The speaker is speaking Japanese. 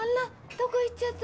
どこ行っちゃった？